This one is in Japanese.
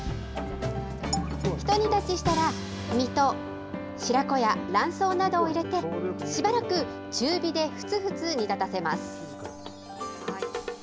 一煮立ちしたら、身と白子や卵巣などを入れて、しばらく中火でふつふつ煮立たせます。